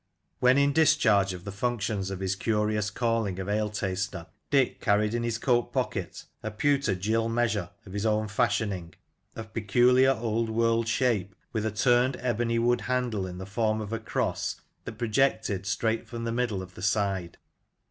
When in discharge of the functions of his curious calling of ale taster, Dick carried in his coat pocket a pewter gill The Last of the Ale Tasters, 21 measure of his own fashioning, of peculiar old world shape, with a turned ebony wood handle in the form of a cross that projected straight from the middle of the side.